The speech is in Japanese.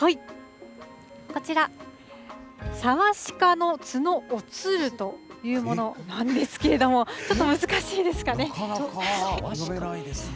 こちら、さわしかのつのおつるというものなんですけれども、ちょっと難しなかなか読めないですね。